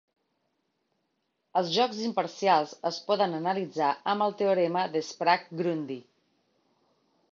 Els jocs imparcials es poden analitzar amb el teorema de Sprague-Grundy.